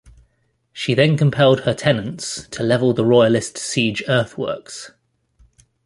She then compelled her tenants to level the Royalist siege earthworks.